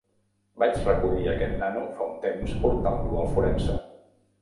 Vaig recollir aquest nano fa un temps portant-lo al forense.